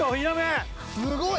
すごい！